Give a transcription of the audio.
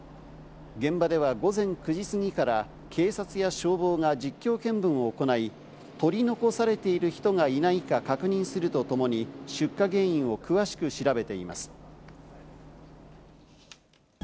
現場では午前９時過ぎから警察や消防が実況見分を行い、取り残されている人がいないか確認するとともに、出火原因を詳しく調べています。